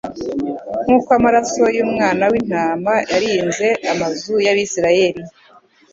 Nk'uko amaraso y'umwana w'intama yarinze amazu y'Abisirayeli,